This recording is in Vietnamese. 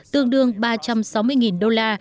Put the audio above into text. tương đương ba trăm sáu mươi đô la